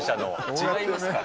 違いますから。